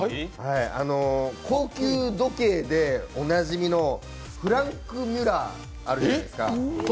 高級時計でおなじみのフランクミュラーあるじゃないですか。